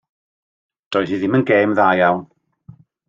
Doedd hi ddim yn gêm dda iawn.